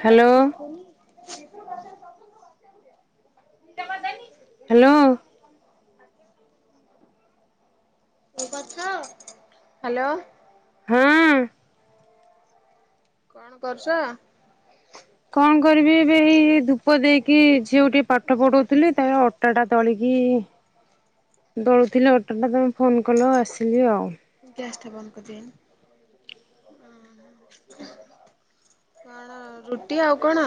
Hello ଉଠୁନି। Hello. Hello. ହୁଁ। କଣ କରୁଛ? କଣ କରିବି ଏବେ ଏଇ ଧୂପ ଦେଇକି ଝିଅକୁ ଟିକେ ପାଠ ପଢଉଥିଲି ତାପରେ ଅଟା ଟା ଦଳିକି ଦଳୁଥିଲି ଅଟଟା ତୁମେ ଫୋନ୍ କଲ ଆସିଲି ଆଉ। ଗ୍ୟାସଟା ବନ୍ଦ କରିଦେ ଆ। କଣ ରୁଟି ଆଉ କଣ?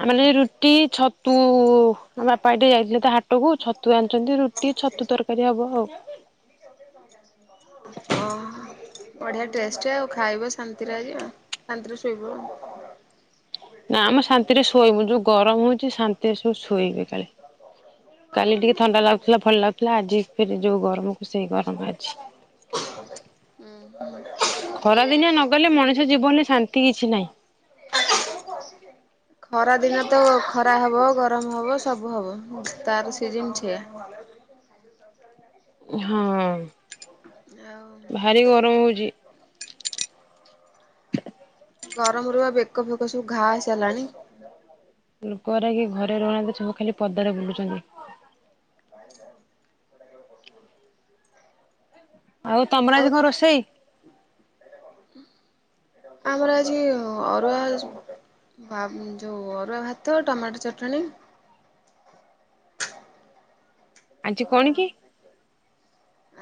ତାମାନେ ରୁଟି ଛ ହୋ ଆମ ବାପା ଏଟି ଯାଇଥିଲେ ତ ହାଟକୁ ଛତୁ ଆଣିଚନ୍ତି ରୁଟି ଛତୁ ତରକାରୀ ହବ ଆଉ। ହଁ। ବଢିଆ ଟେଷ୍ଟ ଆଉ ଖାଇବ ଶାନ୍ତିରେ ଆଜି ଆ ଶାନ୍ତିରେ ଶୋଇବ ଆ। ନା ମ ଶାନ୍ତିରେ ଶୋଇବୁ ଯୋଉ ଗରମ ହଉଛି ଶାନ୍ତିରେ ସବୁ ଶୋଇବେ କାଳେ। କାଲି ଟିକେ ଥଣ୍ଡା ଲାଗୁଥିଲା ଭଲ ଲାଗୁଥିଲା ଆଜି ଫେରେ ଯୋଉ ଗରମକୁ ସେଇ ଗରମ ଆଜି। ଉଁ ହୁଁ। ଖରା ଦିନିଆ ନ ଗଲେ ମଣିଷ ଜୀବନରେ ଶାନ୍ତି କିଛି ନାହିଁ। ଖରା ଦିନ ତ ଖରା ହବ ଗରମ ହବ ସବୁ ହବ। ତାରି ସିଜିନ୍ ସେଇୟା। ହଁ। ଭାରି ଗରମ ଯାଉ। ହଉଛି ଗରମ ରୁ ପା ବେକ ଫେକ ସବୁ ଘାଆ ହେଇ ସାରିଲାଣି। ଲୋକ ଗୁରା କେହି ଘରେ ରହୁନାହାନ୍ତି ସବୁ ଖାଲି ପଦାରେ ବୁଲୁଚନ୍ତି। ଆଉ ତମର ଆଜି କଣ ରୋଷେଇ? ଆମର ଆଜି ଅରୁଆ ବା ଯଉ ଅରୁଆ ଭାତ ଟମାଟୋ ଚଟଣି ଆଜି କଣ କି? ଆଉ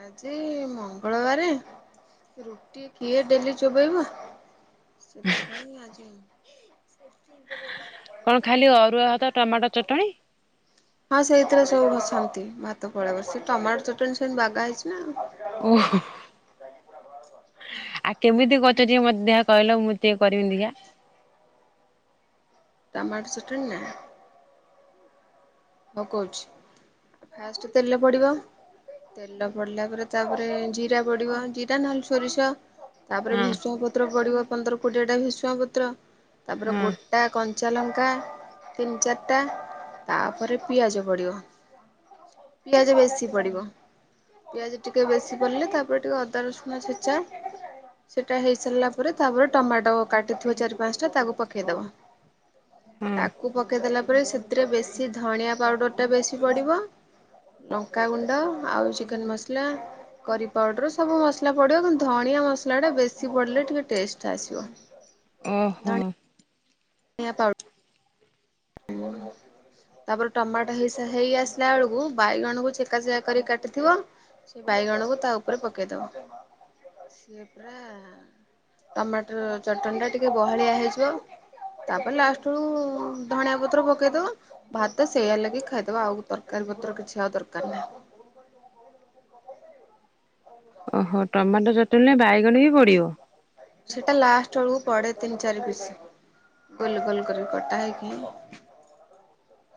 ଆଜି ମଙ୍ଗଳବାରେ ରୁଟି କିଏ ଡେଲି ଚୋବେଇବ। ସେଥିପାଇଁ ଆଜି [inaudible] କଣ ଖାଲି ଅରୁଆ ଭାତ ଟମାଟୋ ଚଟଣି? ହଁ ସେଇଥିରେ ସବୁ ବସନ୍ତି ଭାତ ପଳେଇବ ସେ ଟମାଟ ଚଟଣି ସେନ୍ତି ବାଗା ହେଇଚି ନା। ଓହୋ। ଆଉ କେମିତି କରିଚ ଟିକେ ମତେ ଦେଖା କହିଲ ମୁଁ ଟିକିଏ କରିବି ଦେଖିଆ। ଟମାଟ ଚଟଣି ନା? ହଁ କହୁଚି ଫାଷ୍ଟ ତେଲରେ ପଡିବ। ତେଲ ପଡିଲା ପରେ ତାପରେ ଜିରା ପଡିବ ଜିରା ନହେଲେ ସୋରିଷ। ତାପରେ ହଁ ଭେସୁଙ୍ଗା ପତ୍ର ପଡିବ ପନ୍ଦର କୋଡିଏ ଟା ଭେସୁଙ୍ଗା ପତ୍ର। ତାପରେ ହଁ ଗୋ ଟା କଞ୍ଚା ଲଙ୍କା ତିନି ଚାରିଟା, ତାପରେ ପିଆଜ ପଡ଼ିବ। ପିଆଜ ବେଶୀ ପଡିବ। ପିଆଜ ଟିକେ ବେଶି ପିଡିଲେ ତାପରେ ଟିକେ ଅଦା ରସୁଣ ଛେଚା ସେଇଟା ହେଇ ସାରିଲା ପରେ ତାପରେ ଟମାଟୋ କାଟିଥିବ ଚାରି ପାଞ୍ଚଟା ତାକୁ ପକେଇଦବ। ହଁ ତାକୁ ପକେଇଦଲା ପରେ ସେଥିରେ ବେଶୀ ଧଣିଆ ପାଉଡର ଟା ବେଶୀ ପଡିବ। ଲଙ୍କାଗୁଣ୍ଡ ଆଉ, ଚିକେନ ମସଲା। କରି ପାଉଡ଼ର, ସବୁ ମସଲା ପଡ଼ିବ, କିନ୍ତୁ ଧଣିଆ ମସଲା ଟା ବେଶୀ ପଡ଼ିଲେ ଟିକେ ଟେଷ୍ଟ ଆସିବ। ଅହ। ଣିଆ ପାଉ [inaudible] ତାପରେ ଟମାଟୋ ହେଇ ସା ହେଇ ଆସିଲା ବେଳକୁ ବାଇଗଣକୁ ଚେକା ଚେକା କରି କାଟିଥିବ। ସେ ବାଇଗଣକୁ ତା ଉପରେ ପକେଇ ଦବ ସିଏ ପୁରା ଟମାଟର ଚଟଣିଟା ଟିକେ ବହଳିଆ ହେଇଯିବ ତାପରେ ଲାଷ୍ଟଅଳୁ ଧଣିଆ ପତ୍ର ପକେଇଦବ ଭାତ ସେଇଆ ଲଗେଇ ଖାଇଦବ ଆଉ ତରକାରୀ ପତ୍ର କିଛି ଆଉ ଦରକାର ନାହିଁ। ଓହୋ ଟମାଟୋ ଚଟଣି ରେ ବାଇଗଣ ବି ପଡିବ? ସେଟା ଲାଷ୍ଟ ଅଳୁକୁ ପଡେ ତିନି ଚାରି ପିସ୍‌। ଗୋଲ ଗୋଲ କରି କଟା ହେଇକି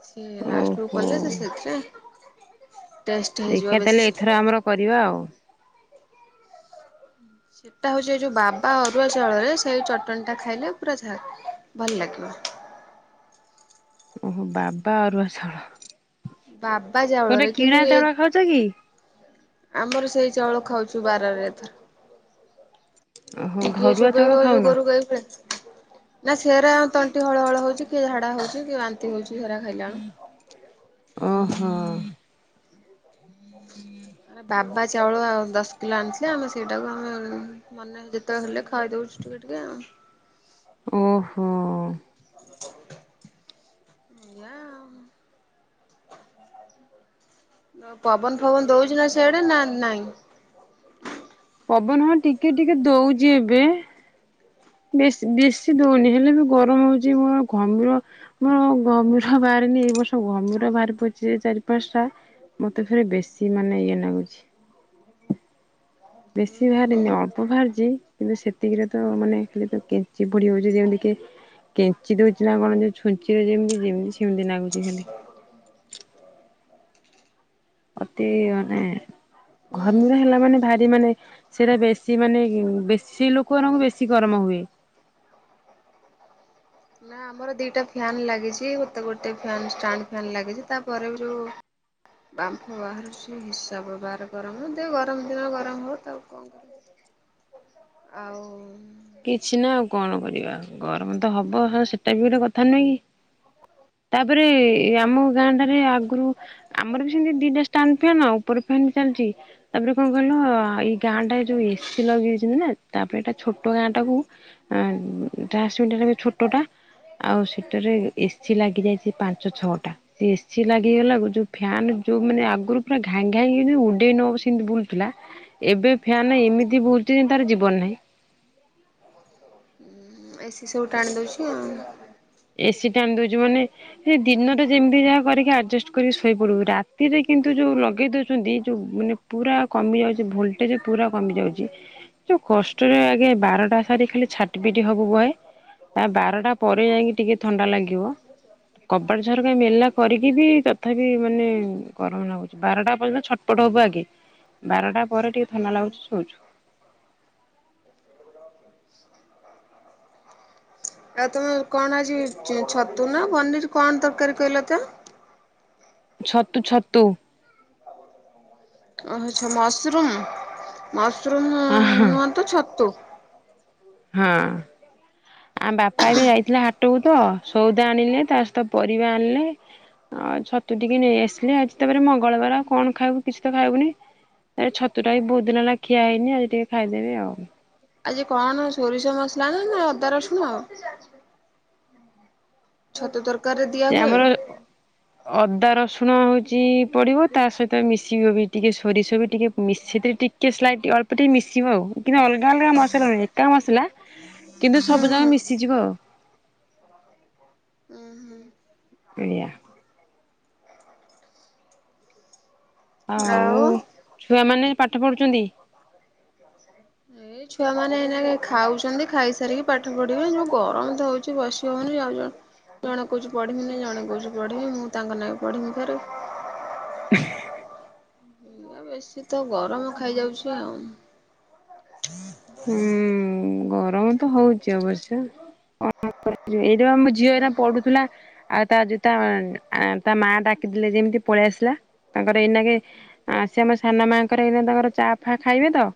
ସିଏ ଲାଷ୍ଟ ବଳୁକୁ ଓହୋ। ପଡ଼ିଲେ ସେ ସେଥିରେ ଟେଷ୍ଟ ଦେଖିଆ ହେଇଯିବ ତାହେଲେ ବେଶୀ। ଏଥର ଆମର କରିବା ଆଉ। ସେଟା ହଉଚି ଏ ଯୋଉ ବାବା ଅରୁଆ ଚାଉଳରେ ସେଇ ଚଟଣିୀ ଟା ଖାଇଲେ ପୁରା ଝା ଭଲ ଲାଗିବ। ଓହୋ ବାବା ଅରୁଆ ଚାଉଳ ବାବା ଚାଉଳରେ ତମେ କିନ୍ତୁ କିଣା ଏ ଚାଉଳ ଖାଉଚ କି? ଆମର ସେଇ ଚାଉଳ ଖାଉଚୁ ବାରରେ ଏଥର। ଓହୋ ରୁଟି କିଏ ଘରୁଆ ଚାଉଳ ଚୋବେଇବ ଏ ଯୋଉ ଖାଉନ ଗୋରୁ ଗାଈ ଭଳିଆ। ନା ସେରା ଆ ତଣ୍ଟି ହଳ ହଳ ହଉଚି କିଏ ଝାଡା ହଉଚି କିଏ ବାନ୍ତି ହଉଚି ସେରା ଖାଇଲା ବଳୁ। ଓହୋ। ବାବା ଚାଉଳ ଆଉ ଦଶ କିଲୋ ଆଣିଥିଲେ ଆମେ ସେଇଟାକୁ ଆମେ ମନ ଯେତେବେଳେ ହେଲେ ଖାଇ ଦଉଚୁ ଟିକେ ଟିକେ ଆଉ ଓହୋ। [inaudible] ପବନ ଫବନ ଦଉଚି ନା ସିଆଡେ ନା ନାଇଁ? ପବନ ହଁ ଟିକେ ଟିକେ ଦଉଚି ଏବେ। ବେଶ ବେଶୀ ଦଉନି ହେଲେ ବି ଗରମ ହଉଚି ମୋର ଘମିର ମୋର ଘମିର ବାହାରେନି ଏ ବର୍ଷ ଘମିର ବାହାରି ପଡିଚି ଯେ ଚାରି ପାଞ୍ଚଟା ମୋତେ ଫେରେ ବେଶୀ ମାନେ ଇଏ ନାଗୁଚି। ବେଶୀ ହୁଁ। ବାହାରିନି ଅଳ୍ପ ବାହାରିଚି। କିନ୍ତୁ ସେତିକିରେ ତ ମାନେ ଖାଲିତ କେଞ୍ଚିପୋଡି ହଉଚି ଯେମତିକି କେଞ୍ଚି ଦଉଚି ନା କଣ ଯୋଉ ଛୁଞ୍ଚିର ଯେମିତି ଯେମତି ସେମିତି ନାଗୁଚି ଖାଲି। ଅତି ମାନେ ହୁଁ ଘମିର ହେଲା ମାନେ ଭାରି ମାନେ ସେରା ବେଶୀ ମାନେ ହିଁ ବେଶୀ ଲୋକମାନଙ୍କୁ ବେଶୀ ଗରମ ହୁଏ। ନା ଆମର ଦିଟା ଫ୍ୟାନ ଲାଗିଚି ଗୋଟେ ଗୋଟେ ଫ୍ୟାନ ଷ୍ଟାଣ୍ଡ ଫ୍ୟାନ ଲାଗିଚି ତାପରେ ବି ଯଉ ବାମ୍ଫ ବାହାରୁଛି ହିସାବ ବାହାର ଗରମ ଯେ ଗରମ ଦିନ ଗରମ ହବ ତାକୁ କଣ ଆଉ କିଛି ନା ଆଉ କଣ କରିବା ଗରମ ତ ହବ ହ ସେଟା ବି ଗୋଟେ କ ତା ନୁହେଁକି ତାପରେ ଆମ ଗାଁ ଟାରେ ଆଗରୁ ଆମର ବି ସେମିତି ଦିଟା ଷ୍ଟାଣ୍ଡ ଫ୍ୟାନ ଉପର ଫ୍ୟାନ ଚାଲିଚି ତାପରେ କଣ କହିଲ ଏଇ ଗାଁ ଟା ଯୋଉ ଏସି ଲଗେଇଛନ୍ତି ନା ତାପରେ ଏଇଟା ଛୋ ଛୋଟ ଗାଁଟାକୁ ଆଁ ଟ୍ରାନ୍ସମିଟର୍ ଏବେ ଛୋଟ ଟା ଆଉ ସେଟାରେ ଏସିି ଲାଗି ଯାଇଚି ପାଞ୍ଚ ଛଅଟା। ସେ ଏସି ଲାଗିଗଲା ଯୋଉ ଫ୍ୟାନ ଯୋଉ ମାନେ ଆଗୁରୁ ପୁରା ଘାଇଁଘାଇଁ ଉଡେଇ ନବ ସେମିତି ବୁଲୁଥିଲା ଏବେ ଫ୍ୟାନ୍ ଏମିତି ବୁଲୁଚି ଯେ ତାର ଜୀବନ ନାହିଁ। ଏସିି ସବୁ ଟାଣିଦଉଛି ଆଉ। ଏସିି ଟାଣି ଦଉଛି ମାନେ ସେ ଦିନରେ ଯେମିତି ଯାହା କରିକି ଆଡଜଷ୍ଟ କରିକି ଶୋଇପଡିବୁ ରାତିରେ କିନ୍ତୁ ଯୋଉ ଲଗେଇ ଦଉଛନ୍ତି ଯୋଉ ମାନେ ପୁରା କମିଯାଉଚି ଭୋଲ୍ଟେଜ ପୁରା କମିଯାଉଚି। ଯୋଉ କଷ୍ଟରେ ଆଗେ ବାରଟା ସାରି ଖାଲି ଛାଟି ପିଟି ହବୁ ବହେ ତା ବାରଟା ପରେ ଯାଇକି ଟିକେ ଥଣ୍ଡା ଲାଗିବ କବାଟ ଝରକା ମେଲା କ କରିକି ବି ତଥାପି ମାନେ ଗରମ ନାଗୁଚି ବାରଟା ପର୍ଯ୍ୟନ୍ତ ଛଟପଟ ହବୁ ଆଗେ ବାରଟା ପରେ ଟିକେ ଥଣ୍ଡା ଲାଗୁଚି ଶୋଉଚୁ। ଆଉ ତମେ କଣ ଆଜି, ଛତୁ, ନା, ପନିର, କଣ, ତରକାରୀ କହିଲ ତ? ଛତୁ ଛତୁ। ଓହ ମଶରୁମ ମଶରୁମ ହଁ ହ। ତାଙ୍କ ଛତୁ। ହଁ। ଆମ ବାପା ବି ଯାଇଥିଲେ ହାଟକୁ ତ ସଉଦା ଆଣିଲେ ତା ସହିତ ପରିବା ଆଣିଲେ। ଆଉ ଛତୁ ଟିକେ ନେଇଆସିଲେ ଆଜି ତାପରେ ମଙ୍ଗଳବାର ଆଉ କଣ ଖାଇବୁ କିଛି ତ ଖାଇବୁନି। ତାରେ ଛତୁଟା ବି ବହୁତ ଦିନ ହେଲା ଖିଆ ହେଇନି ଆଜି ଟିକେ ଖାଇଦେବେ ଆଉ। ଆଜି କଣ, ସୋରିଷ, ମସଲା, ନା ନା, ଅଦା, ରସୁଣ? ଛତୁ ତରକାରୀରେ ଦିଆ ସେ ହୁଏ? ଆମର ଅଦା, ରସୁଣ, ହଉଛି ପଡିବ ତା ସହିତ ମିଶିବ ବି ଟିକେ, ସୋରିଷ, ବି ଟିକେ ମିସିତିରି ଟି କେ ସ୍ଲାଇଟ ଅଳପଟିକେ ମିଶିବ ଆଉ କିନ୍ତୁ ଅଲଗା ଅଲଗା ମସଲା ନୁଁହଁ ଏକା ମସଲା କିନ୍ତୁ ହୁଁ ସବୁ ଯାକ ହୁଁ ମିଶିଯିବ ଆଉ। ହୁଁ ହୁଁ। ଏଇଆ। ଅ ହଉ ଆଉ ଛୁଆମାନେ ପାଠ ପଢ଼ୁଛନ୍ତି? ହୁଁ ଛୁଆ ମାନେଏଇନାକେ ଖାଉଛନ୍ତି ଖାଇସାରିକି ପାଠ ପଢିବେ ଯଉ ଗରମତ ହଉଛି ବସି ହଉନି ଯାଉଛ ଜଣେ କହୁଛି ପଢିବିନି ଜଣେ କହୁଛି ପଢିବି ମୁଁ ତାଙ୍କ ନାଁକେ ପଢିବି ଫେରେ। ଏ ବେଶୀ ତ ଗରମ ଖାଇଯାଉଛି ଆଉ। ହୁଁ ଗରମ ତ ହଉଚି ଅବଶ୍ୟ। ଏଇଟା ଆମ ଝିଅ ଏଇନା ପଢୁଥିଲା। ଆଉ ତା ଯେତା ତା ମାଆ ଡାକିଦଲେ ଯେମିତି ପଳେଇ ଆସିଲା ତାଙ୍କର ଏଇନାକେ ଆ ସେ ଆମ ସାନ ମାଙ୍କର ଏଇିନା ତାଙ୍କର ଚା ଫା ଖାଇବେ ତ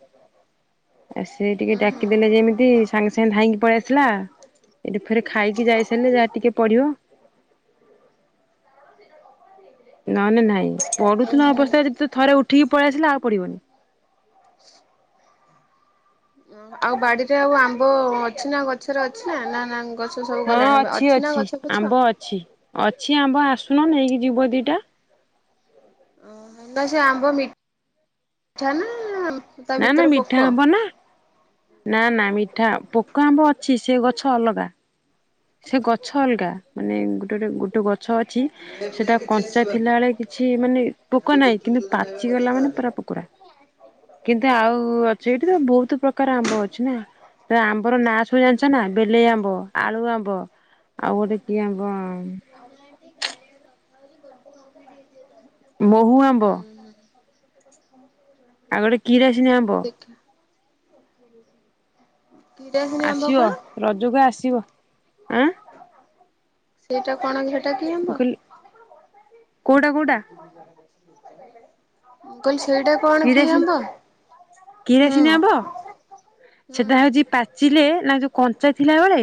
ଆ ସେ ଟିକେ ଉଁ ହୁଁ। ଡାକିଦେଲେ ଯେମିତି ସାଙ୍ଗେ ସାଙ୍ଗେ ଧାଇଁକି ପଳେଇ ଆସିଲା। ଏ ଫେରେ ଖାଇକି ଯାଇସାରିଲେ ଯାହା ଟିକେ ପଢିବ। ନହେଲେ ନାଇଁ ପଢୁଥିଲା ଅବସ୍ଥାରେ ଯଦି ତ ଥରେ ଉଠିକି ପଳେଇ ଆସିଲା ଆଉ ପଢ଼ିବନି। ବ ଆଉ ବାଡିରେ ଆଉ ଆମ୍ବ ଅଛି ନା ଗଛରେ ଅଛି ନା ନା ନାଁଇ। ଗଛ ସବୁ ଗଲାଣି ଅଛି ନା ଗଛ ପଛ। ଅଛି ଅଛି ଆମ୍ବ ଆସୁନ ନେଇକି ଯିବ ଦିଟା। ଓହୋ ସେ ଆମ୍ବ ମି ମିଠା ନା। ତା ନା ନା ଭିତରେ ପୋକ? ମିଠା ହୁଁ ଆମ୍ବ ନା। ନା ନା ମିଠା ପୋକ ଆମ୍ବ ଅଛି ସେ ଗଛ ଅଲଗା। ସେ ଗଛ ଅଲଗା ମାନେ ଗୋଟେ ଗୋଟେ ଗୋଟେ ଗଛ ଅଛି। ସେଟା କଞ୍ଚା ହୁଁ ଥିଲାବେଳେ କିଛି ମାନେ ପୋକ ନାହିଁ କିନ୍ତୁ ପାଚିଗଲା ମାନେ ପୁରା ପୋକୁରା। ଆ [unintelligible] କିତେ ଆଉ ଅଛି ଏଠି ତ ବହୁତ ପ୍ରକାର ଆମ୍ବ ଅଛି ନା। ତ ଆମ୍ବର ନା ସବୁ ଜାଣିଛ ନା ବେଲେଇ ଆମ୍ବ, ଆଳୁ, ଆମ୍ବ। ହବ ଆଉ ଗୋଟେ କିଏ ହବ। ବଠ ଗା କଥାଛି ଗୋଟେ କ ମହୁ ଆମ୍ବ ହୁଁ। ଆଉ ଗୋଟେ କିରାସିନୀ ଆମ୍ବ ହଉ ଦେଖା। କିରାସିନି ଆମ୍ବ ଆସିବ କଣ? ରଜକୁ ଆସିବ ଆଁ। ସେଇଟା କଣ ଏଟା କି ମୁଁ ଆମ୍ବ? କହିଲି କୋଉଟା କୋଉଟା କହିଲି ସେଇଟା କଣ କି କିରାସି ଆମ୍ବ? ହୁଁ ହୁଁ କିରାସିିନ ହେବ ସେଟା ହଉଛି ହୁଁ ପା ଚିଲେ ନା ଯୋଉ କଞ୍ଚା ଥିଲା ବେଳେ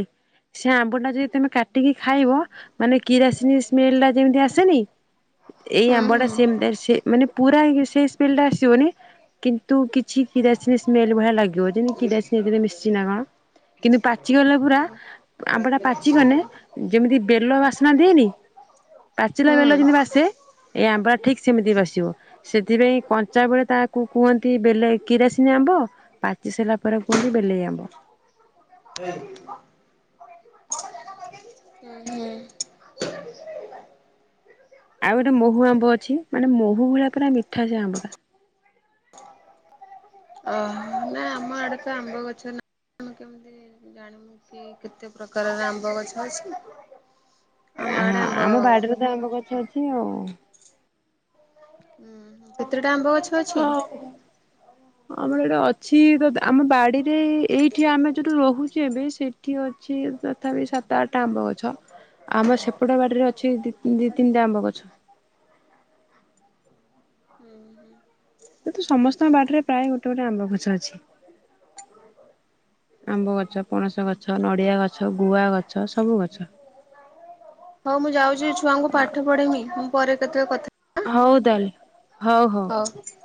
ସେ ଆମ୍ବ ଟା ଯଦି ତମେ କା ଟିକି ଖାଇବ ମାନେ କିରାସିନି ସ୍ମେଲ ଟା ଯେମିତି ଆସେନି। ଏଇ ଆମ୍ବ ଟା ହୁଁ। ସେମତି ସେ ମାନେ ପୁରା ଇଏ ସେଇ ସ୍ମେଲ ଟା ଆସିବନି। କିନ୍ତୁ କିଛି କିରାସିନି ସ୍ମେଲ ଭଳିଆ ଲାଗିବ ଯେମିତି କିରାସିନି ଏଥିରେ ମିଶିଛି ନା କଣ। କିନ୍ତୁ ପାଚିଗଲେ ପୁରା ଆମ୍ପଟା ପାଚି ଗଲେ ହୁଁ। ଯେମିତି ବେଲ ବାସ୍ନା ଦିଏନି। ପାଚିଲା ବେଲ ହୁଁ। ଯେମିତି ବାସେ ଏଇ ଆମ୍ବରା ଠିକ ସେମିତି ବସିବ ସେଥିପାଇଁ କ କଞ୍ଚା ବେଳେ ତାକୁ କୁହନ୍ତି ବେଲେ କିରାସିିନି ଆମ୍ବ ପାଚି ସାଇଲା ପରେ କୁହନ୍ତି ବେଲେଇ ଆମ୍ବ। ହୁ [unintelligible] ହୁଁ ଆଉ ଗୋଟେ ମହୁ ଆମ୍ବ ଅଛି ମାନେ ମହୁ ଭଳିଆ ପୁରା ମିଠା ସେ ଆମ୍ବ ଟା। ଅ ନା ଆମ ଆଡେ ତ ଆମ୍ବ ଗଛ ନା ମୁଁ କେମିତି ଜାଣିବି। ଜାଣିବୁ କି କେତେ ପ୍ରକାରର ଆମ୍ବ ଗଛ ଅଛି। ଆମ ହଁ ଆଡେ ଆମ୍ବ ଆମ ବାଡିରେ ତ ଆମ୍ବ ଗଛ ଅଛି ଆଉ। ହୁଁ କେତେଟା ଆମ୍ବ ଅଛି। ହଉ ଆମର ଏଇଟା ଅଛି ତ ଆମ ବାଡିରେ। ଏଇଠି ଆମେ ଯୋଉଠୁ ରହୁଛୁ ଏବେ ସେଇଠି ଅଛି ତଥାପି ସାତ ଆଠଟା ଆମ୍ବ ଗଛ। ଆମ ସେପଟ ବାଡ଼ିରେ ଅଛି ଦି ଦି ତିନିଟା ଆମ୍ବ ଗଛ। ହୁଁ ହୁଁ। କିନ୍ତୁ ସମସ୍ତଙ୍କ ବାଡିରେ ପ୍ରାୟ ଗୋଟେ ଗୋଟେ ଆମ୍ବ ଗଛ ଅଛି। ଆମ୍ବ ଗଛ, ପଣସ ଗଛ, ନଡିଆ ଗଛ, ଗୁଆ ଗଛ ସବୁ ଗଛ। ହଉ ମୁଁ ଯାଉଛି ଛୁଆଙ୍କୁ ପାଠ ପଢେଇମି ମୁଁ ପରେ କେତେ କଥା ହଉ ତାହେଲେ ହଉ ହଉ। [inaudible]